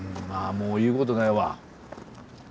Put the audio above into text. もう言うことないわ。